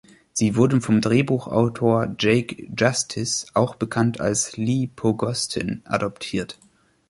Sie wurde vom Drehbuchautor Jake Justiz, auch bekannt als Lee Pogostin, adaptiert.